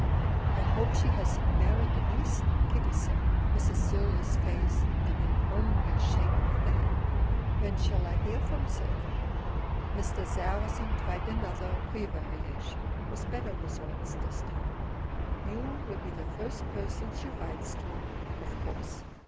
"I hope she hasn't married a beast," Kitty said, with a serious face and an ominous shake of the head. "When shall I hear from Syd?" Mr. Sarrazin tried another prevarication with better results this time. "You will be the first person she writes to, of course."